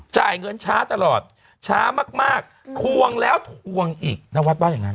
จ่ายเงินช้าตลอดช้ามากทวงแล้วทวงอีกนวัดว่าอย่างนั้น